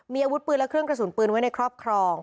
มีอาวุธปืนและเครื่องกระสุนปืนไว้ในครอบครอง